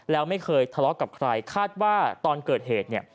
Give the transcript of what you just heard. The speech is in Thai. แล้วไม่เคยทะเลาะกับใครคาดว่าตอนเกิดเหตุเนี่ย